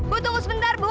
bu tunggu sebentar bu